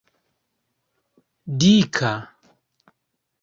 dika